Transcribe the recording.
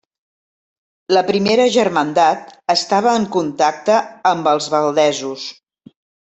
La primera germandat estava en contacte amb els valdesos.